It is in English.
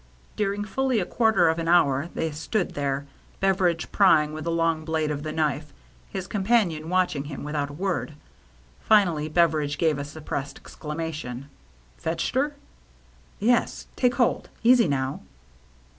During folly a quarter of an hour they stood i68 THE MERRY ANNE there, Beveridge prying with the long blade of the knife, his companion watching him with out a word. Finally Beveridge gave a sup pressed exclamation. "Fetched her?" *' Yes. Take hold — easy now.